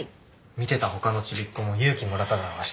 見てた他のちびっこも勇気もらっただろうし。